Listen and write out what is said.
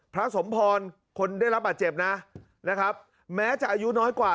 พระสมพรคนได้รับบาดเจ็บนะนะครับแม้จะอายุน้อยกว่า